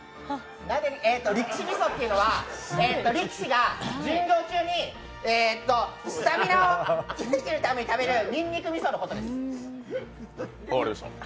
力士味噌っていうのは力士が巡業中にスタミナを維持するために食べるにんにく味噌です。